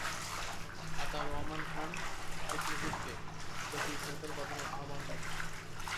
আতাউর রহমান খান শেখ মুজিবকে জাতীয় সরকার গঠনের আহবান জানান।